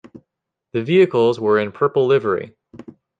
The vehicles were in Purple Livery.